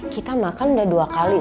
kita makan udah dua kali